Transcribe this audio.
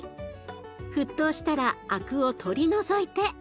沸騰したらあくを取り除いて。